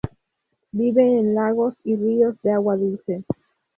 Vive en lagos y ríos de agua dulce.